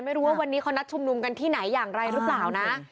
ไม่รู้ว่าวันนี้เขานัดชุมนุมกันที่ไหนอย่างไรหรือเปล่านะ